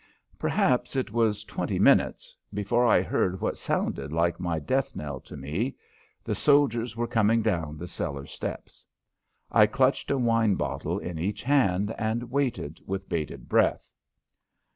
Perhaps it was twenty minutes before I heard what sounded like my death knell to me; the soldiers were coming down the cellar steps. I clutched a wine bottle in each hand and waited with bated breath.